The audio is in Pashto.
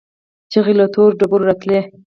چيغې له تورو ډبرو راتلې.